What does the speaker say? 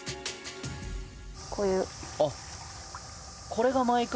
こういう。